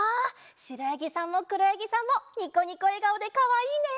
しろやぎさんもくろやぎさんもニコニコえがおでかわいいね！